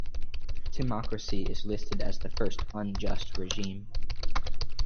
Timocracy is listed as the first "unjust" regime.